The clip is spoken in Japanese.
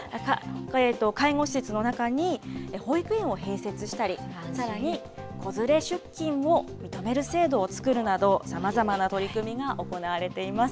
介護施設の中に保育園を併設したり、さらに、子連れ出勤を認める制度を作るなど、さまざまな取り組みが行われています。